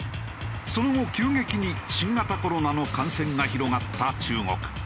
その後急激に新型コロナの感染が広がった中国。